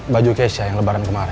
baju kesha yang lebaran kemarin